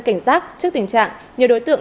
cảnh giác trước tình trạng nhiều đối tượng